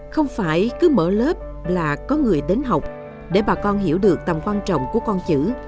không phải cứ mở lớp là có người đến học để bà con hiểu được tầm quan trọng của con chữ